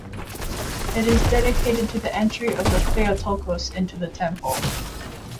It is dedicated to the Entry of the Theotokos into the Temple.